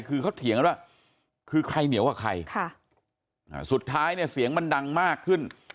คือเขาเถียงกันว่าคือใครเหนียวกับใครสุดท้ายเนี่ยเสียงมันดังมากขึ้น